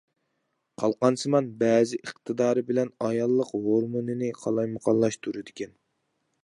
قالقانسىمان بەز ئىقتىدارى بىلەن ئاياللىق ھورمۇنىنى قالايمىقانلاشتۇرىدىكەن.